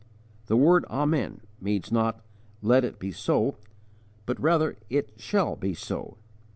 The word "Amen" means not 'Let it be so,' but rather _'it shall be so.'